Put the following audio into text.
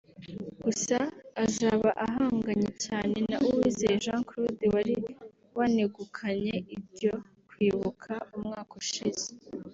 Gusa azaba ahanganye cyane na Uwizeye Jean Claude wari wanegukanye iryo kwibuka umwaka ushize